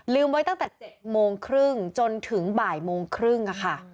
ไว้ตั้งแต่๗โมงครึ่งจนถึงบ่ายโมงครึ่งค่ะ